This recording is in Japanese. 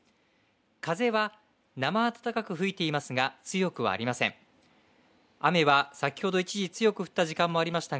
風は生暖かく吹いていますが強くはありません。